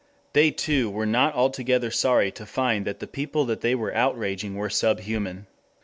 They too were not altogether sorry to find that the people they were outraging were sub human.